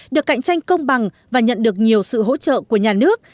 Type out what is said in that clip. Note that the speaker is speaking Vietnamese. được cạnh tranh công bằng và nhận được nhiều sự hỗ trợ của nhà nước